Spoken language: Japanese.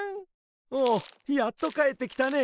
おおやっとかえってきたね。